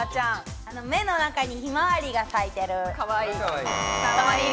目の中にひまわりが咲いてる。